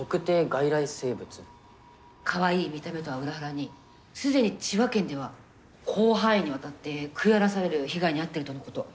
かわいい見た目とは裏腹に既に千葉県では広範囲にわたって食い荒らされる被害に遭ってるとのこと。